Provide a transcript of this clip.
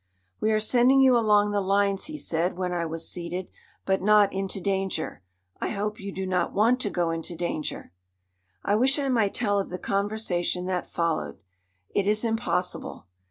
"We are sending you along the lines," he said when I was seated. "But not into danger. I hope you do not want to go into danger." I wish I might tell of the conversation that followed. It is impossible.